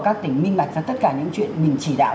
các tỉnh minh bạch ra tất cả những chuyện mình chỉ đạo